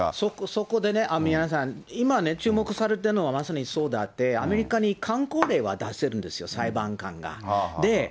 そこでね、宮根さん、今ね、注目されてるのはまさにそうであって、アメリカにかん口令は出せるんですよ、裁判官が。